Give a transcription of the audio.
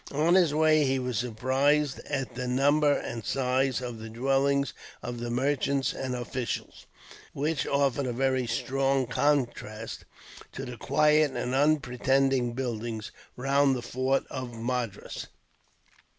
On his way, he was surprised at the number and size of the dwellings of the merchants and officials, which offered a very strong contrast to the quiet and unpretending buildings round the fort of Madras.